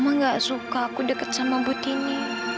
emang gak suka aku dekat sama bu tini